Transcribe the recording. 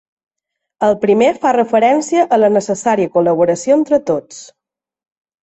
El primer fa referència a la necessària col·laboració entre tots.